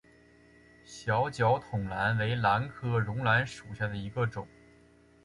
小脚筒兰为兰科绒兰属下的一个种。